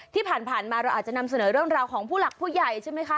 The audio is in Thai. ที่ผ่านมาเราอาจจะนำเสนอเรื่องราวของผู้หลักผู้ใหญ่ใช่ไหมคะ